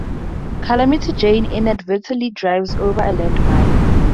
Calamity Jane inadvertently drives over a land mine.